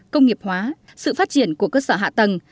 công nghiệp hóa sự phát triển của cơ sở hạ tầng